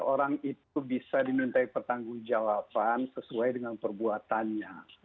orang itu bisa diminta pertanggung jawaban sesuai dengan perbuatannya